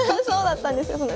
そうだったんですか。